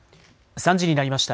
３時になりました。